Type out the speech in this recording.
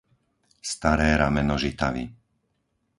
Staré rameno Žitavy